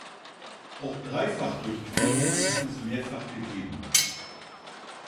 Auch Dreifach-Durchquerungen hat es mehrfach gegeben.